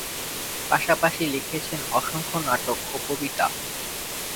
পাশাপাশি লিখেছেন অসংখ্য নাটক ও কবিতা।